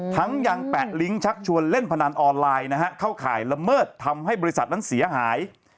ทั้งยังแปะลิงก์ชักชวนเล่นพนันออนไลน์นะฮะเข้าข่ายละเมิดทำให้บริษัทนั้นเสียหาย